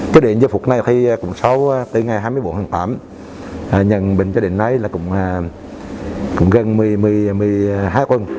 trí giao dụng phục này thì cũng sáu từ ngày hai mươi bốn tháng tám và nhân bệnh cho đến nay là cũng gần một mươi hai quân